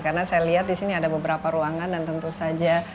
karena saya lihat di sini ada beberapa ruangan dan tentu saja